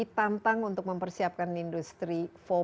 ditantang untuk mempersiapkan industri empat